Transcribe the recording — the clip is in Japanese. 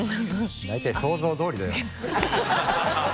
臑想像どおりだよ。